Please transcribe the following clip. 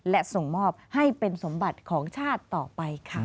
และส่งมอบให้เป็นสมบัติของชาติต่อไปค่ะ